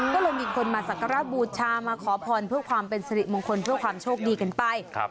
ก็เลยมีคนมาสักการะบูชามาขอพรเพื่อความเป็นสิริมงคลเพื่อความโชคดีกันไป